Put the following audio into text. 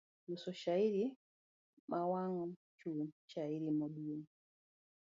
Loso shairi, mawang'o chuny, shairi maduong'.